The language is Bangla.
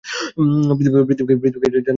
পৃথিবীকে জানাতে দিন আমায়!